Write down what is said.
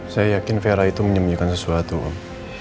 saya yakin vera itu menyembunyikan sesuatu om